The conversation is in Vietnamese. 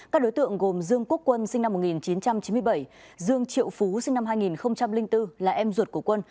các đối tượng gồm dương quốc quân sinh năm một nghìn chín trăm chín mươi bảy dương triệu phú sinh năm hai nghìn bốn là em ruột của quân